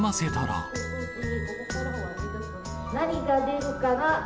何が出るかな？